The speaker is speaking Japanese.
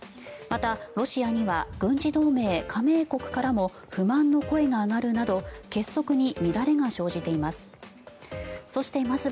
また、ロシアには軍事同盟加盟国からも不満の声が上がるなど結束に乱れが生じています。